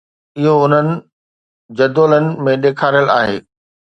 اهو انهن جدولن ۾ ڏيکاريل آهي